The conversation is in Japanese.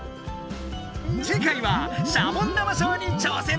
次回はシャボン玉ショーに挑戦だ！